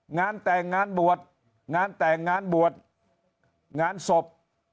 งานแต่งงานบวชงานแต่งงานบวชงานศพ